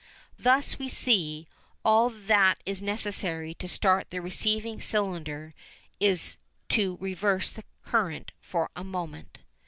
Thus, we see, all that is necessary to start the receiving cylinder is to reverse the current for a moment.